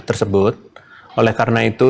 tersebut oleh karena itu